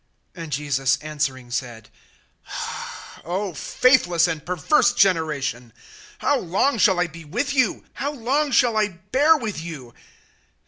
(17)And Jesus answering said: O faithless and perverse generation, how long shall I be with you? How long shall I bear with you?